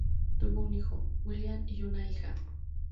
Tuvo un hijo, William, y una hija.